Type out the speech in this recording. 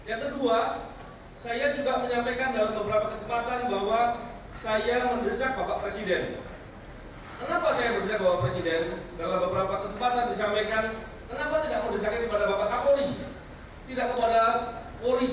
oleh karena itu saya meminta kepada anak anak komunisi untuk mengungkap ini